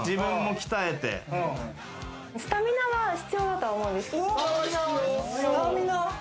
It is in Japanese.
スタミナは必要だと思うんです。